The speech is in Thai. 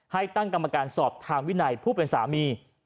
ให้ตั้งกรรมการสอบทางวินัยผู้เป็นสามี